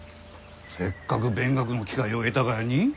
せっかく勉学の機会を得たがやに？